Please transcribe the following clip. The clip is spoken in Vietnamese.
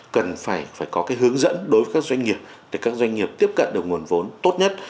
cần phải có cái hướng dẫn đối với các doanh nghiệp để các doanh nghiệp tiếp cận được nguồn vốn tốt nhất